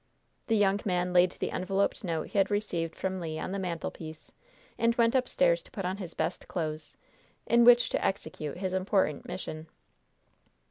The young man laid the enveloped note he had received from Le on the mantelpiece, and went upstairs to put on his best clothes, in which to execute his important mission.